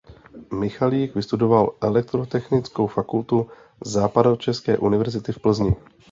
Michalík vystudoval Elektrotechnickou fakultu Západočeské univerzity v Plzni.